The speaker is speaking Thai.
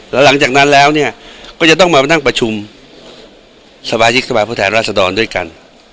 แล้วหลังจากนั้นแล้วเนี่ยก็จะต้องมานั่งประชุมสมาชิกสภาพผู้แทนราษดรด้วยกัน